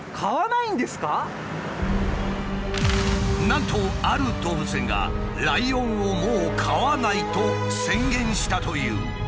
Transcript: なんとある動物園が「ライオンをもう飼わない」と宣言したという。